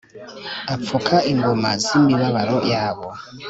apfuka inguma z’imibabaro yabo.